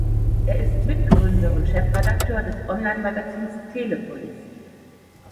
Er ist Mitgründer und Chefredakteur des Online-Magazins Telepolis.